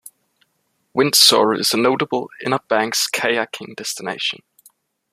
Windsor is a notable Inner Banks kayaking destination.